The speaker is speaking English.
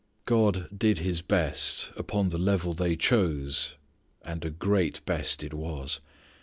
God did His best upon the level they chose and a great best it was.